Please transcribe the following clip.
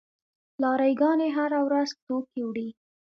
لاری ګانې هره ورځ توکي وړي.